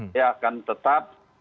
saya akan tetap